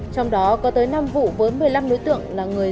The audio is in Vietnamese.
trong đó có tới năm vụ với một mươi năm đối tượng